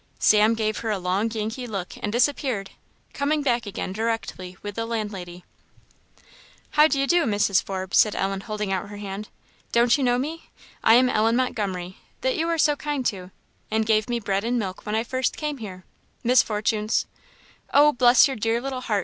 Sam gave her a long Yankee look and disappeared, coming back again directly with the landlady. "How d'ye do, Mrs. Forbes?" said Ellen, holding out her hand; "don't you know me? I am Ellen Montgomery that you were so kind to, and gave me bread and milk when I first came here Miss Fortune's " "Oh, bless your dear little heart!"